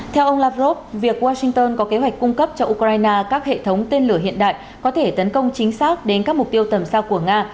theo ông lavrov việc washington có kế hoạch cung cấp cho ukraine các hệ thống tên lửa hiện đại có thể tấn công chính xác đến các mục tiêu tầm xa của nga